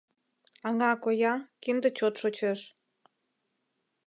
Аҥа коя — кинде чот шочеш.